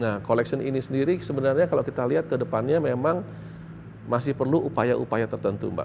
nah collection ini sendiri sebenarnya kalau kita lihat ke depannya memang masih perlu upaya upaya tertentu mbak